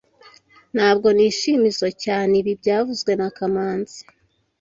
Ntabwo nishimizoe cyane ibi byavuzwe na kamanzi